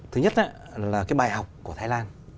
thứ nhất là cái bài học của thái lan